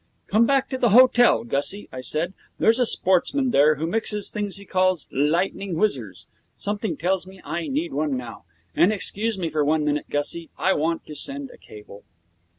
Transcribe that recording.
'Come back to the hotel, Gussie,' I said. 'There's a sportsman there who mixes things he calls "lightning whizzers". Something tells me I need one now. And excuse me for one minute, Gussie. I want to send a cable.'